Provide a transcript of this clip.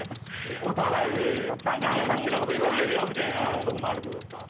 お互いにそんな勝手なこと言わないでよみたいなとこもあるということですか？